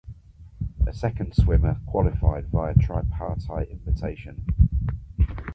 A second swimmer qualified via tripartite invitation.